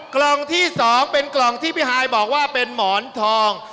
กล่องที่๒เป็นกล่องที่พี่ฮายบอกว่าเป็นหมอนทอง